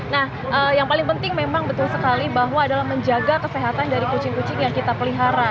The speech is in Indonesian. nah yang paling penting memang betul sekali bahwa adalah menjaga kesehatan dari kucing kucing yang kita pelihara